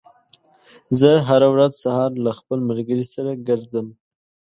زه هره ورځ سهار له خپل ملګري سره ګرځم.